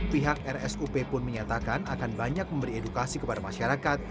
pihak rsup pun menyatakan akan banyak memberi edukasi kepada masyarakat